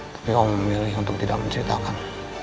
tapi kamu memilih untuk tidak menceritakan